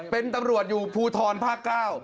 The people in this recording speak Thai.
เป็นตำรวจอยู่ภูทรภาค๙